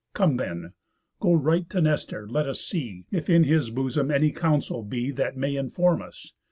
Come then, go right to Nestor; let us see, If in his bosom any counsel be, That may inform us.